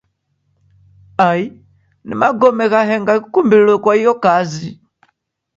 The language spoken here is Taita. Ai ni magome ghaenga ghikumbilo kwa iyo kazi.